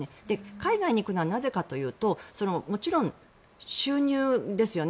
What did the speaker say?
海外に行くのはなぜかというともちろん収入ですよね。